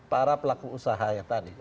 para pelaku usaha yang tadi